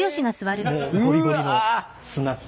もうゴリゴリのスナック。